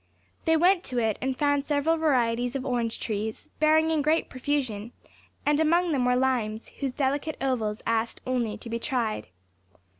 They went to it, and found several varieties of orange trees, bearing in great profusion, and among them were limes, whose delicate ovals asked only to be tried.